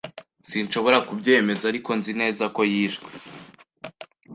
Sinshobora kubyemeza, ariko nzi neza ko yishwe.